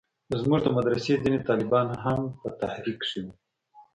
زموږ د مدرسې ځينې طالبان هم په تحريک کښې وو.